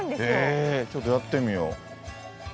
へぇちょっとやってみよう。